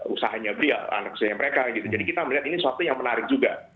usahanya beliau anak usahanya mereka gitu jadi kita melihat ini suatu yang menarik juga